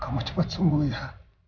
kamu cepat sembuh ya